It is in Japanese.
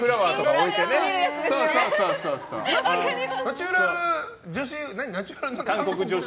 ナチュラル女子？